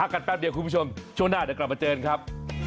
กันแป๊บเดียวคุณผู้ชมช่วงหน้าเดี๋ยวกลับมาเจอกันครับ